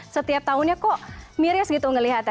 setiap tahunnya kok miris gitu ngelihat ya